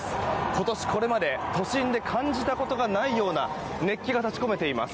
今年、これまで都心で感じたことがないような熱気が立ち込めています。